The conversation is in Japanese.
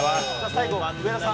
最後は上田さん。